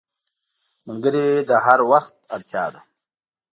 ملګری د هر وخت اړتیا ده